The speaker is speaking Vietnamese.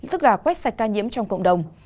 tức là quách sạch ca nhiễm trong cộng đồng